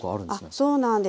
そうなんです。